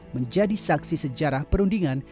menjadi saksi sejarah perundingan